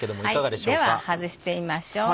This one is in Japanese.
では外してみましょう。